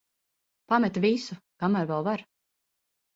Pamet visu, kamēr vēl var.